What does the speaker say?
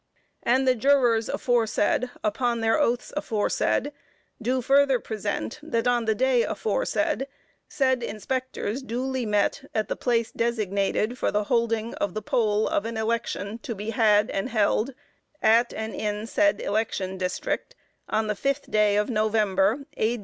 And the Jurors aforesaid, upon their oaths aforesaid, do further present that on the day aforesaid, said Inspectors duly met at the place designated for the holding of the poll of an election to be had and held at and in said election District on the fifth day of November, A.